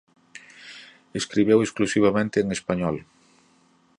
Escribiu exclusivamente en español.